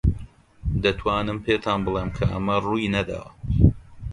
دەتوانم پێتان بڵێم کە ئەمە ڕووی نەداوە.